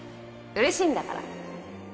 嬉しいんだから